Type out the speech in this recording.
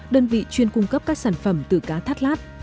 đơn vị chuyên cung cấp các sản phẩm từ cá thắt lát